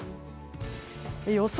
予想